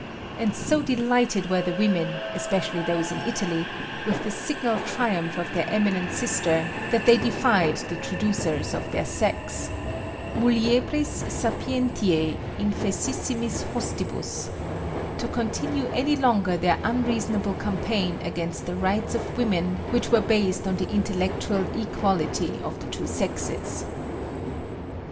And so delighted were the women especially those in Italy with the signal triumph of their eminent sister that they defied the traducers of their sex muliebris sapientiæ infensissimis hostibus to continue any longer their unreasonable campaign against the rights of women which were based on the intellectual equality of the two sexes.